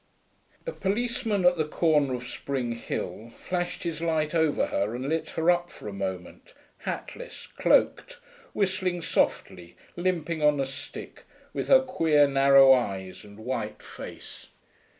A policeman at the corner of Spring Hill flashed his light over her and lit her up for a moment, hatless, cloaked, whistling softly, limping on a stick, with her queer, narrow eyes and white face.